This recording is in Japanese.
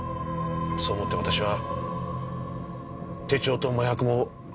そう思って私は手帳と麻薬も持ち出しました。